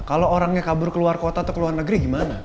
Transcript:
kalau orangnya kabur keluar kota atau ke luar negeri gimana